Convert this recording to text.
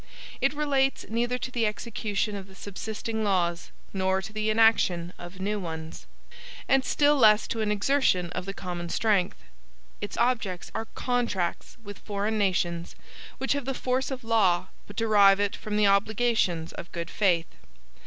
It relates neither to the execution of the subsisting laws, nor to the enaction of new ones; and still less to an exertion of the common strength. Its objects are CONTRACTS with foreign nations, which have the force of law, but derive it from the obligations of good faith.